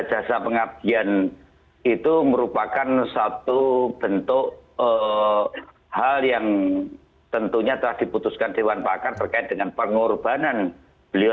oh ya bahwa tanda jasa pengabdian itu merupakan satu bentuk hal yang tentunya telah diputuskan dewan pakar berkait dengan pengorbanan beliau